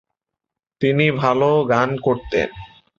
তিনি ভালো গান করতেন।